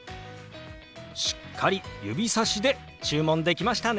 しっかり指さしで注文できましたね。